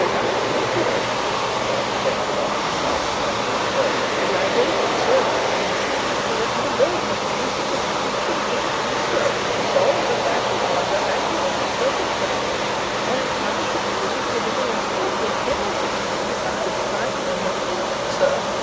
"Master Nicholas," cried the terrified and half strangled attorney, "my very good sir, I entreat you to let me alone. This is a breach of the king's peace, sir. Assault and battery, under aggravated circumstances, and punishable with ignominious corporal penalties, besides fine and imprisonment, sir.